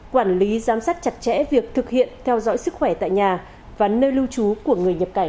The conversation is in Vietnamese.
quản lý giám sát chặt chẽ việc thực hiện theo dõi sức khỏe tại nhà và nơi lưu trú của người nhập cảnh